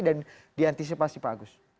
dan diantisipasi pak agus